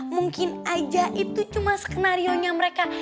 mungkin aja itu cuma skenario nya mereka